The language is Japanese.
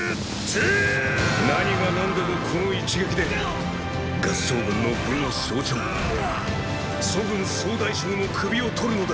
何が何でもこの一撃で合従軍の武の象徴楚軍総大将の首を獲るのだ！